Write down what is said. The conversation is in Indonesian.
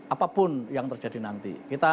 apapun yang terjadi nanti